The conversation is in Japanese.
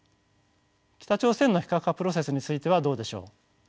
北朝鮮の非核化プロセスについてはどうでしょう。